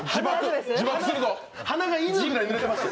鼻が犬ぐらいぬれてました。